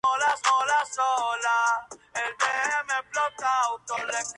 Vuestro lugar de reunión será el Paraíso.